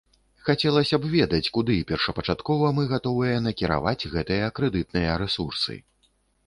Хацелася б ведаць, куды першапачаткова мы гатовыя накіраваць гэтыя крэдытныя рэсурсы.